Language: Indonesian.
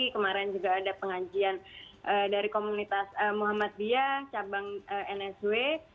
kemarin juga ada pengajian dari komunitas muhammadiyah cabang nsw